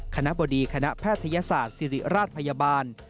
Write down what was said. คณะบดีคณะแพทยศาสตร์ศิริราชพยาบาล